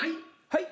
はい？